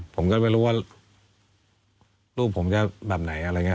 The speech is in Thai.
ผมก็ไม่รู้ว่าลูกผมจะแบบไหนอะไรอย่างนี้